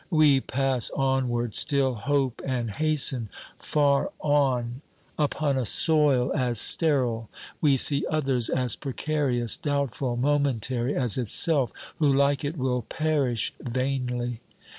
We pass onward, still hope and hasten ; far on, upon a soil as sterile, we see others as precarious, doubt ful, momentary as itself, who like it will perish vainly.